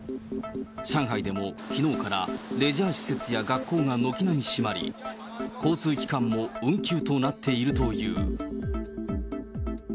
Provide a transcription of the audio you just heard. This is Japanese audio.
上海でもきのうから、レジャー施設や学校が軒並み閉まり、交通機関も運休となっているという。